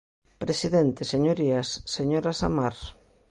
Presidente, señorías, señora Samar.